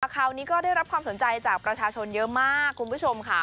คราวนี้ก็ได้รับความสนใจจากประชาชนเยอะมากคุณผู้ชมค่ะ